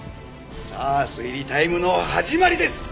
さあ推理タイムの始まりです！